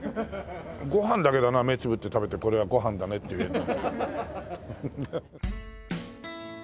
ご飯だけだな目つぶって食べてこれがご飯だねって言えるの。